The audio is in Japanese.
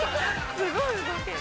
すごい動ける。